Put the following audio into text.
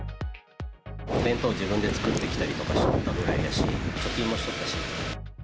弁当自分で作ってきたりとかしとったぐらいやし、貯金もしとったし。